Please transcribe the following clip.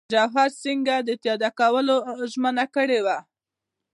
جواهر سینګه د تادیه کولو ژمنه کړې وه.